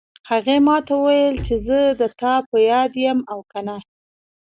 هغې ما ته وویل چې زه د تا په یاد یم او که نه